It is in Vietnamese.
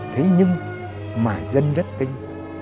thế nhưng mà dân rất kinh